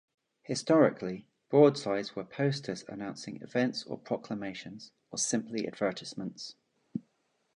Historically, broadsides were posters, announcing events or proclamations, or simply advertisements.